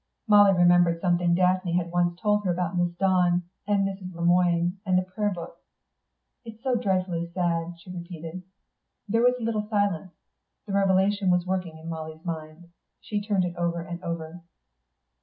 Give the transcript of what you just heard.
Molly remembered something Daphne had once told her about Miss Dawn and Mrs. Le Moine and the prayer book. "It's so dreadfully sad," she repeated. There was a little silence. The revelation was working in Molly's mind. She turned it over and over.